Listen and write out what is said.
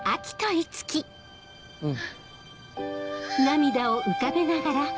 うん。